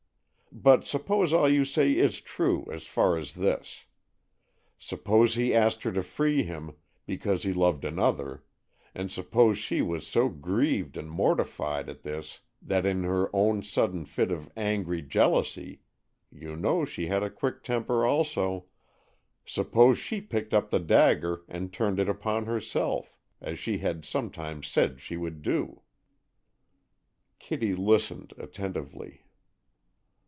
But, suppose all you say is true as far as this; suppose he asked her to free him, because he loved another, and suppose she was so grieved and mortified at this, that in her own sudden fit of angry jealousy,—you know she had a quick temper, also,—suppose she picked up the dagger and turned it upon herself, as she had sometimes said she would do." Kitty listened attentively.